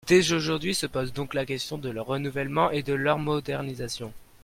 Dès aujourd’hui se pose donc la question de leur renouvellement et de leur modernisation.